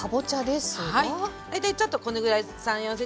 大体ちょっとこのぐらい３４ｃｍぐらいかな